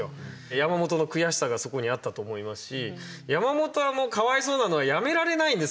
山本の悔しさがそこにはあったと思いますし山本はもうかわいそうなのは辞められないんです